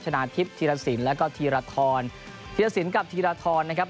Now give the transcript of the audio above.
นาทิพย์ธีรสินแล้วก็ธีรทรธีรสินกับธีรทรนะครับ